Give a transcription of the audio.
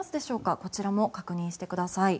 こちらも確認してください。